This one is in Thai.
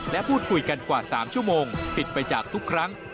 และพูดคุยกันกว่า๓ชั่วโมงปิดไปจากทุกครั้ง